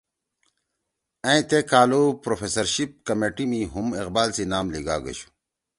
ائں تے کالُو پروفیسرشپ کمیٹی می ہُم اقبال سی نام لیِگاگَشُو